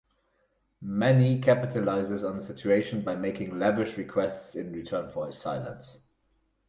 Manny capitalizes on the situation by making lavish requests in return for his silence.